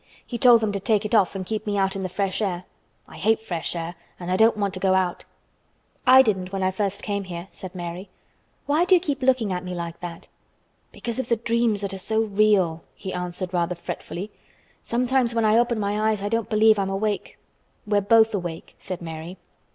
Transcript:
He told them to take it off and keep me out in the fresh air. I hate fresh air and I don't want to go out." "I didn't when first I came here," said Mary. "Why do you keep looking at me like that?" "Because of the dreams that are so real," he answered rather fretfully. "Sometimes when I open my eyes I don't believe I'm awake." "We're both awake," said Mary.